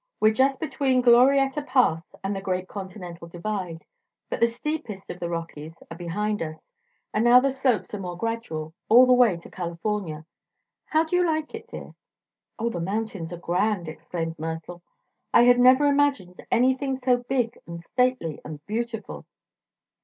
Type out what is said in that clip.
"We're just between Glorietta Pass and the Great Continental Divide. But the steepest of the Rockies are behind us, and now the slopes are more gradual all the way to California. How do you like it, dear?" "Oh, the mountains are grand!" exclaimed Myrtle. "I had never imagined anything so big and stately and beautiful."